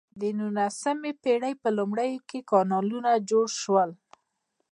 د نولسمې پیړۍ په لومړیو کې کانالونه جوړ شول.